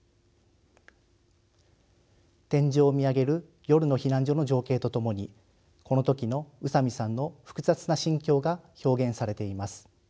天井を見上げる夜の避難所の情景と共にこの時の宇佐美さんの複雑な心境が表現されています。